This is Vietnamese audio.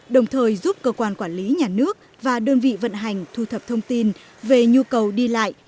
đồng thời giúp cơ quan quản lý nhà nước và đơn vị vận hành thu thập thông tin về nhu cầu đi lại